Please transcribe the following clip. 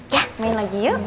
ya main lagi yuk